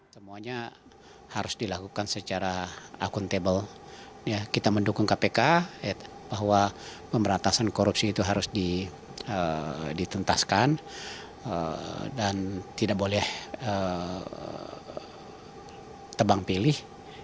semuanya harus dilakukan secara akuntabel kita mendukung kpk bahwa pemberantasan korupsi itu harus dituntaskan dan tidak boleh tebang pilih